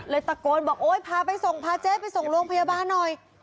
ตะโกนบอกโอ๊ยพาไปส่งพาเจ๊ไปส่งโรงพยาบาลหน่อย